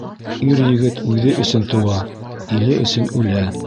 Ир-егет үҙе өсөн тыуа, иле өсөн үлә.